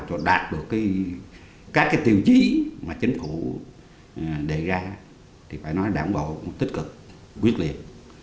để đạt được các tiêu chí mà chính phủ đề ra thì phải nói đảng bộ tích cực quyết liệt